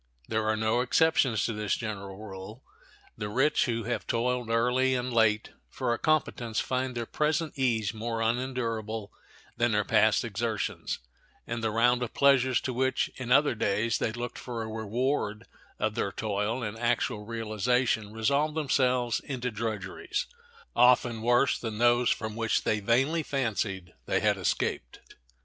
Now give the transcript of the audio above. There are no exceptions to this general rule. The rich who have toiled early and late for a competence find their present ease more unendurable than their past exertions, and the round of pleasures to which, in other days, they looked for a reward of their toil in actual realization, resolve themselves into drudgeries, often worse than those from which they vainly fancied they had escaped.